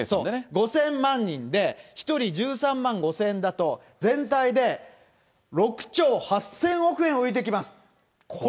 ５０００万人で、１人１３万５０００円だと、全体で６兆８０００億円浮いてきます。